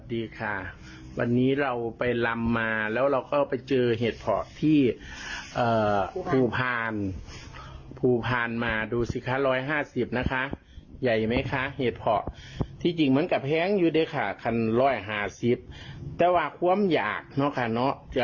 นี่ค่ะนี่ด้วยค่ะเด้อแล้วพอดีมึงเทกออกด้วยค่ะ